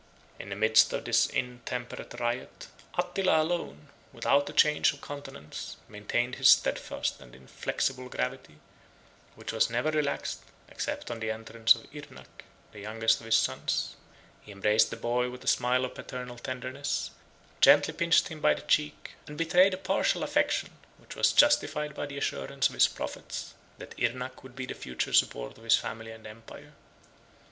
In the midst of this intemperate riot, Attila alone, without a change of countenance, maintained his steadfast and inflexible gravity; which was never relaxed, except on the entrance of Irnac, the youngest of his sons: he embraced the boy with a smile of paternal tenderness, gently pinched him by the cheek, and betrayed a partial affection, which was justified by the assurance of his prophets, that Irnac would be the future support of his family and empire.